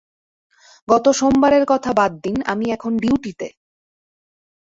গত সোমবারের কথা বাদ দিন, আমি এখন ডিউটিতে।